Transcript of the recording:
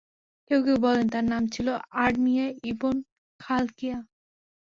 কেউ কেউ বলেন, তাঁর নাম ছিল, আরমিয়া ইবন খালকিয়া।